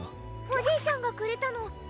おじいちゃんがくれたの。